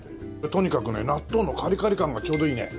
とにかくね納豆のカリカリ感がちょうどいいね。